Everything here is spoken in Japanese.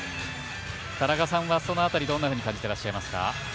田中さん、どんなふうに感じていらっしゃいますか？